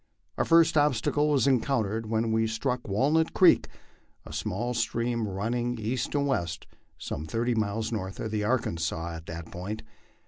Our first obsta cle was encountered when we struck Walnut creek, a small stream running east and west some thirty miles north of the Arkansas at that point.